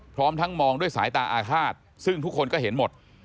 พร้อมทั้งมองด้วยสายตาอาฆาตซึ่งทุกคนก็เห็นหมด